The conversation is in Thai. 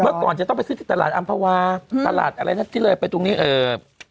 เมื่อก่อนจะต้องไปซื้อที่ตลาดอำภวาตลาดแบบนี้ไปตรงนี้